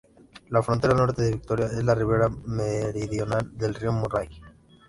La frontera norte de Victoria es la ribera meridional del río Murray.